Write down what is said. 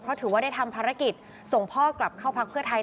เพราะถือว่าได้ทำภารกิจส่งพ่อกลับเข้าพักเพื่อไทย